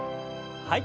はい。